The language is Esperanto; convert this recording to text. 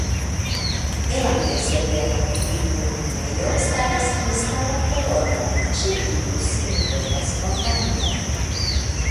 En la mezo de la virgulinejo staras kristala kolono, ĉe kiu sin trovas fontano.